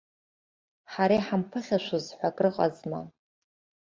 Ҳара иҳамԥыхьашәоз ҳәа акрыҟазма?